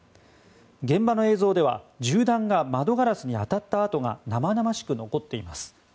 現場の映像では、銃弾が窓ガラスに当たった跡が生々しく残っています。